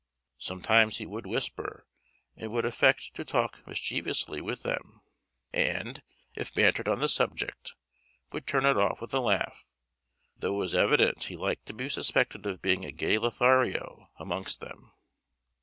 Sometimes he would whisper, and affect to talk mischievously with them, and, if bantered on the subject, would turn it off with a laugh, though it was evident he liked to be suspected of being a gay Lothario amongst them.